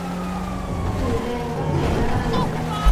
สีแดงก็ใส่ได้